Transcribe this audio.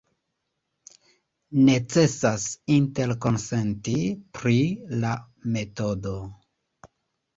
Necesas interkonsenti pri la metodo.